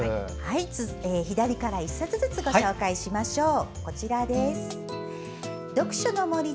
左から１冊ずつご紹介しましょう。